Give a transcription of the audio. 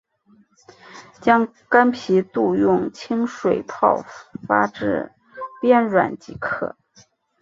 将干皮肚用清水泡发至变软即可。